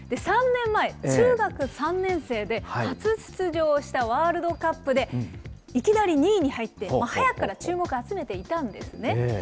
３年前、中学３年生で初出場したワールドカップでいきなり２位に入って、早くから注目を集めていたんですね。